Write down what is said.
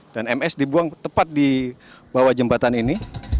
dan ms dibuang tepat di bawah jembatan ini